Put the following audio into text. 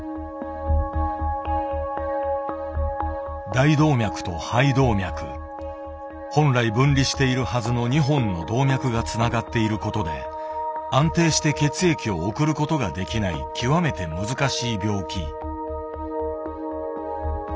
大動脈と肺動脈本来分離しているはずの２本の動脈がつながっていることで安定して血液を送ることができない極めて難しい病気。